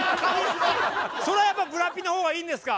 それはやっぱりブラピの方がいいんですか？